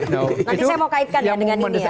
nanti saya mau kaitkan ya dengan ini ya